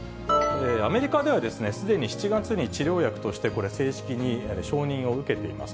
アメリカではすでに７月に治療薬として、これ、正式に承認を受けています。